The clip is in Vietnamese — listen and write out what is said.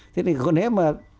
thế thì gần hết mà